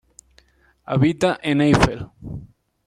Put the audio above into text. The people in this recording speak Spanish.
Habita en Eifel.